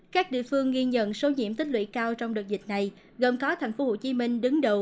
các địa phương ghi nhận số diện tích lũy cao trong đợt dịch này gồm có tp hcm đứng đầu